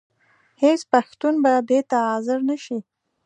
هېڅ پښتون به دې ته حاضر نه شي.